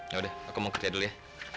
yaudah aku mau kerja dulu ya